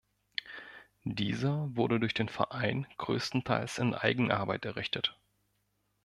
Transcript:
Dieser wurde durch den Verein größtenteils in Eigenarbeit errichtet.